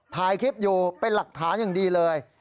ถ่ายคลิปอยู่เป็นหลักฐานอย่างดีเลย